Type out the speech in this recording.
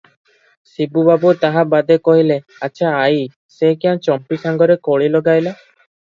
ଶିବୁ ବାବୁ ତାହା ବାଦେ କହିଲେ, "ଆଚ୍ଛା ଆଈ, ସେ କ୍ୟାଁ ଚମ୍ପୀ ସାଙ୍ଗରେ କଳି ଲଗାଇଲା?